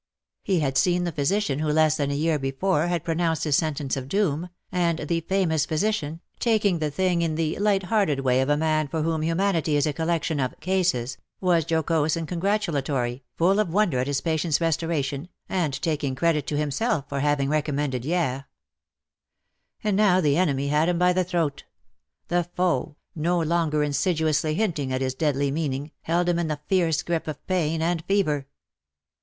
He had seen the physician who less than a year before had pro nounced his sentence of doom, and the famous physician, taking the thing in the light hearted way of a man for whom humanity is a collection of '' cases/'' was jocose and congratulatory, full of wonder at his patient^s restoration, and taking credit to himself for having recommended Hyeres. And now the enemy had him by the throat. The foe, no longer insidiously hinting at his deadly meaning, held him in the fierce grip of pain and fever.